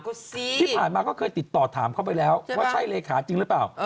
ก็สิที่ผ่านมาก็เคยติดต่อถามเขาไปแล้วว่าใช่เลขาจริงหรือเปล่า